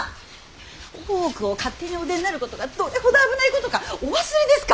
大奥を勝手にお出になることがどれほど危ないことかお忘れですか！